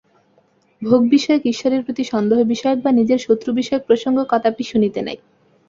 ভোগ-বিষয়ক, ঈশ্বরের প্রতি সন্দেহ-বিষয়ক, বা নিজের শত্রু-বিষয়ক প্রসঙ্গ কদাপি শুনিতে নাই।